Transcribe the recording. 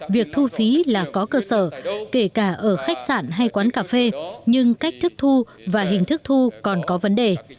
việc thu phí là có cơ sở kể cả ở khách sạn hay quán cà phê nhưng cách thức thu và hình thức thu còn có vấn đề